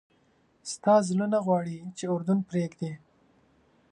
ستا زړه نه غواړي چې اردن پرېږدې.